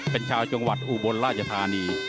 เป็นชาวจังหวัดอุบลราชธานี